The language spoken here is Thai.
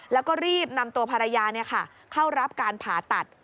แล้วก็รีบนำตัวภรรยาเข้ารับการผ่าตัด